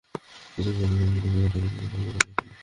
কিছুক্ষণ পর তিনি অকুস্থলে তাকিয়ে সেখানে একজনও দেখতে পাননা।